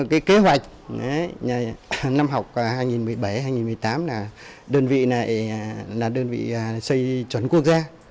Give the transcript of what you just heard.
cái kế hoạch năm học hai nghìn một mươi bảy hai nghìn một mươi tám là đơn vị này là đơn vị xây chuẩn quốc gia